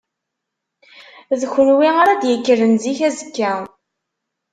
D kunwi ara d-yekkren zik azekka.